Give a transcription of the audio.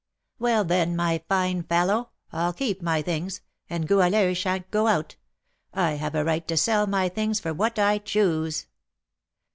"Well, then, my fine fellow, I'll keep my things, and Goualeuse sha'n't go out. I have a right to sell my things for what I choose."